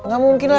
gak mungkin lah